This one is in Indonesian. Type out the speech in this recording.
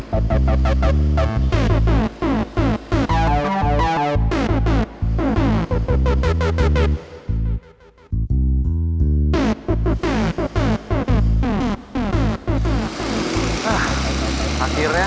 ah akhirnya aku udah berhasil ngecong mereka